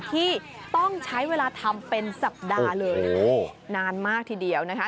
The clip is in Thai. ที่ต้องใช้เวลาทำเป็นสัปดาห์เลยนานมากทีเดียวนะคะ